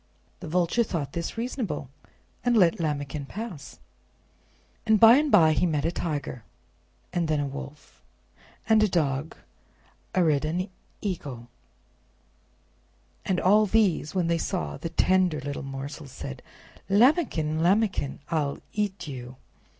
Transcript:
The Vulture thought this reasonable, and let Lambikin pass. And by and by he met a Tiger, and then a Wolf, and a Dog, arid an Eagle, and all these, when they saw the tender little morsel, said: "Lambikin! Lambikin! I'll EAT YOU!"